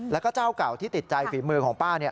แล้วก็เจ้าเก่าที่ติดใจฝีมือของป้า